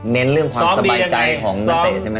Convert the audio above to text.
เรื่องความสบายใจของนักเตะใช่ไหม